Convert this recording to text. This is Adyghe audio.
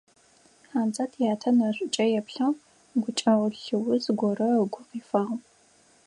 Хьамзэт ятэ нэшӀукӀэ еплъыгъ, гукӀэгъу лыуз горэ ыгу къыфихьагъ.